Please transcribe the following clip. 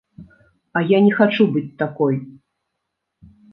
А я не хачу быць такой!